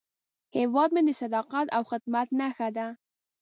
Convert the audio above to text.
هیواد مې د صداقت او خدمت نښه ده